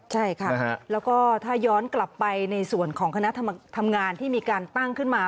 ใช่ค่ะแล้วก็ถ้าย้อนกลับไปในส่วนของคณะทำงานที่มีการตั้งขึ้นมา